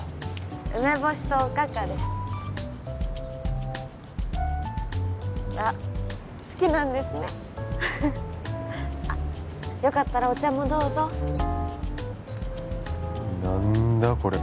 梅干しとおかかですあっ好きなんですねあっよかったらお茶もどうぞ何だこれ？